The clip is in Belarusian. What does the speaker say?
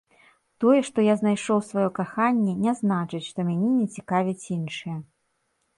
Тое, што я знайшоў сваё каханне, не значыць, што мяне не цікавяць іншыя.